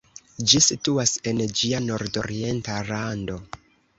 Ĝi situas en ĝia nordorienta rando.